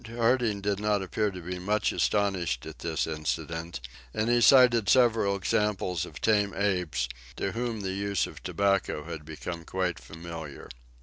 Harding did not appear to be much astonished at this incident, and he cited several examples of tame apes, to whom the use of tobacco had become quite familiar.